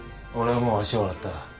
俺はもう足を洗った。